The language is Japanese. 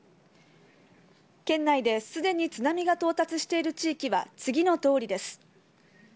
県内ですでに津波が到達している地域は次のとおりです。